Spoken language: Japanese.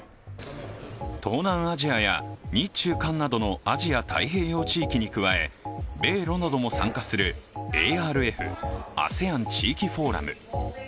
東南アジアや日中韓などのアジア太平洋地域に加え米ロなども参加するＡＲＦ＝ＡＳＥＡＮ地域フォーラム。